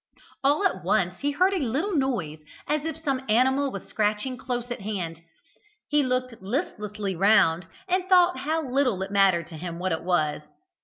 All at once he heard a little noise, as if some animal was scratching close at hand. He looked listlessly round, and thought how little it mattered to him what it was.